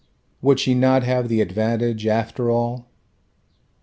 Would she not have the advantage, after all?